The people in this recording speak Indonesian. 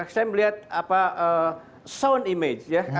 saya melihat sound image ya